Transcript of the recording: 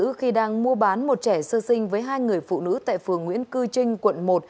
lê hồng anh bị bắt giữ khi đang mua bán một trẻ sơ sinh với hai người phụ nữ tại phường nguyễn cư trinh quận một